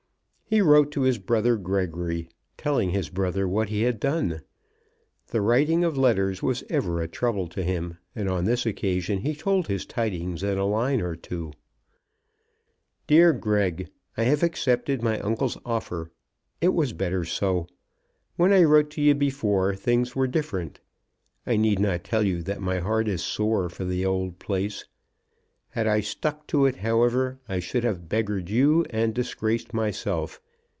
He wrote to his brother Gregory, telling his brother what he had done. The writing of letters was ever a trouble to him, and on this occasion he told his tidings in a line or two. "Dear Greg., I have accepted my uncle's offer. It was better so. When I wrote to you before things were different. I need not tell you that my heart is sore for the old place. Had I stuck to it, however, I should have beggared you and disgraced myself.